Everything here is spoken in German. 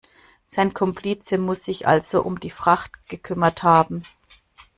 Sein Komplize muss sich also um die Fracht gekümmert haben.